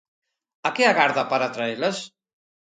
¿A que agarda para traelas?